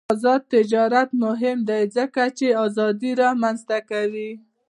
آزاد تجارت مهم دی ځکه چې ازادي رامنځته کوي.